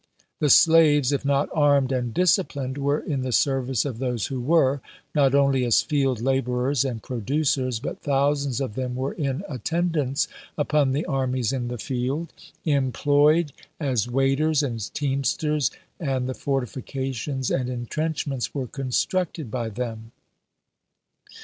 The slaves, if not armed and disci plined were in the service of those who were, not only as field laborers and producers, but thousands of them were in attendance upon the armies in the field, employed EMANCIPATION PKOPOSED AND POSTPONED 123 as waiters and teamsters, and the fortifications and iu trenchments were constructed by them.